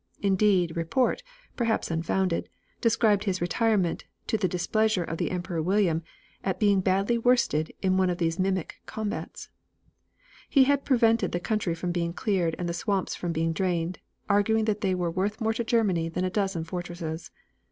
Indeed report, perhaps unfounded, described his retirement to the displeasure of the Emperor William at being badly worsted in one of these mimic combats. He had prevented the country from being cleared and the swamps from being drained, arguing that they were worth more to Germany than a dozen fortresses.